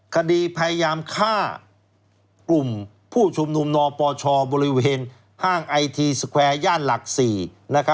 คดีพยายามฆ่ากลุ่มผู้ชุมนุมนปชบริเวณห้างไอทีสแควร์ย่านหลัก๔